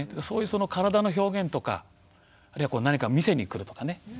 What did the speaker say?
そういう体の表現とかあるいは何かを見せにくるとかね。